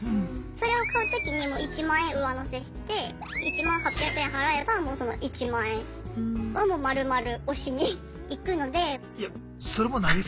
それを買う時に１万円上乗せして１万８００円払えばもうその１万円はもう丸々推しに行くので。